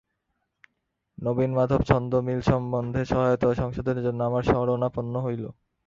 নবীনমাধব ছন্দ মিল সম্বন্ধে সহায়তা ও সংশোধনের জন্য আমার শরণাপন্ন হইল।